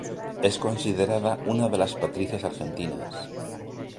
Es considerada una de las Patricias Argentinas.